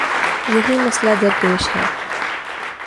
یہی مسئلہ درپیش ہے۔